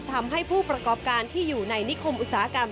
ทำให้ผู้ประกอบการที่อยู่ในนิคมอุตสาหกรรม